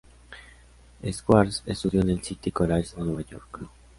Schwartz estudió en el City College de Nueva York.